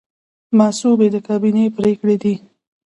مصوبې د کابینې پریکړې دي